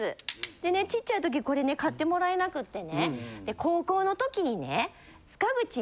でね小っちゃい時これね買ってもらえなくてね。